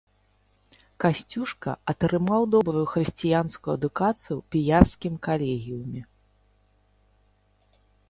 Касцюшка атрымаў добрую хрысціянскую адукацыю ў піярскім калегіуме.